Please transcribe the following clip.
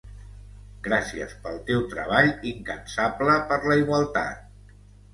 Gràcies pel teu treball incansable per la igualtat.